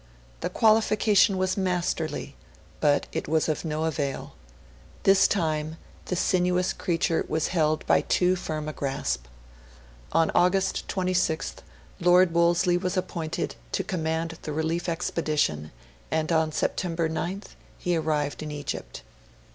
The qualification was masterly; but it was of no avail. This time, the sinuous creature was held by too firm a grasp. On August 26th, Lord Wolseley was appointed to command the relief expedition; and on September 9th, he arrived in Egypt.